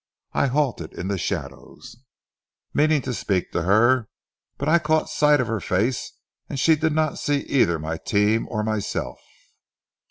I halted in the shadows, meaning to speak to her, but I caught sight of her face, and she did not see either my team or myself."